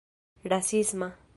rasisma